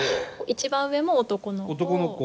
一番上も男の子。